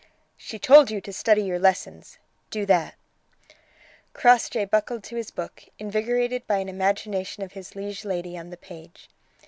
"She told you to study your lessons; do that." Crossjay buckled to his book, invigorated by an imagination of his liege lady on the page.